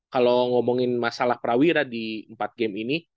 kalau ngomongin masalah prawira di empat game ini